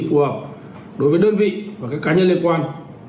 phù hợp đối với đơn vị và các cá nhân liên quan